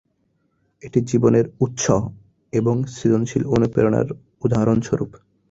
এটি জীবনের উৎস এবং সৃজনশীল অনুপ্রেরণার উদাহরণস্বরূপ।